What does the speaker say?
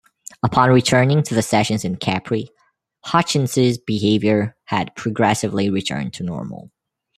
Upon returning to the sessions in Capri, Hutchence's behaviour had progressively returned to normal.